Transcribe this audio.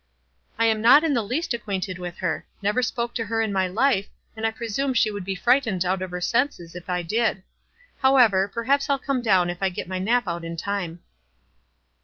" I am not in the least acquainted with her. Never spoke to her in my life, and I presume she would be frightened out of her senses if I did. However, perhaps I'll come down if I get my nap out in time."